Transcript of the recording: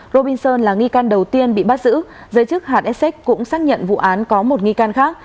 robinson là nghi can đầu tiên bị bắt giữ giới chức hàn essex cũng xác nhận vụ án có một nghi can khác